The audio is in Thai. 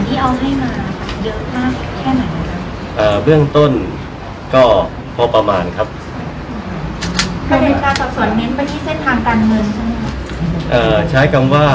พี่แจงในประเด็นที่เกี่ยวข้องกับความผิดที่ถูกเกาหา